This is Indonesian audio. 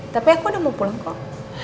tapi aku udah mau pulang kok